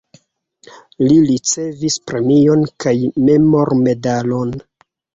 Li ricevis premion kaj memormedalon.